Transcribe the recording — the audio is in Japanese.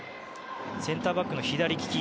センターバックの左利き